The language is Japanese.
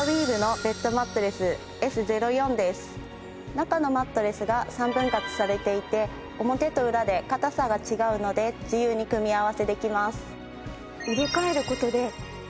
中のマットレスが３分割されていて表と裏で硬さが違うので自由に組み合わせできます。